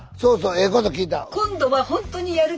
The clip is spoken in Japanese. ええこと聞いた。